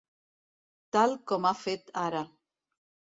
Tal com ha fet ara.